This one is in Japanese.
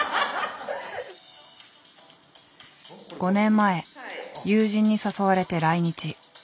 ５年前友人に誘われて来日。